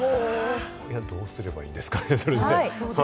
じゃあ、どうすればいいんですか？